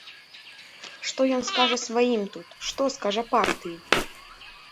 Што ён скажа сваім тут, што скажа партыі?